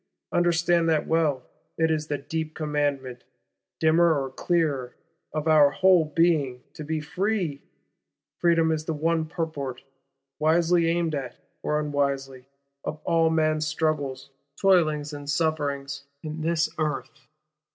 Understand that well, it is the deep commandment, dimmer or clearer, of our whole being, to be free. Freedom is the one purport, wisely aimed at, or unwisely, of all man's struggles, toilings and sufferings, in this Earth.